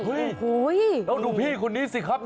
โอ้โฮต้องดูพี่คนนี้ซิครับ